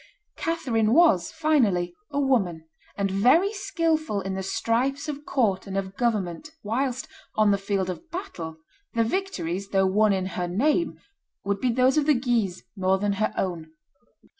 Catherine was, finally, a woman, and very skilful in the strifes of court and of government, whilst, on the field of battle, the victories, though won in her name, would be those of the Guises more than her own.